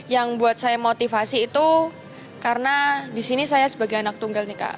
yang buat saya motivasi itu karena di sini saya sebagai anak tunggal nih kak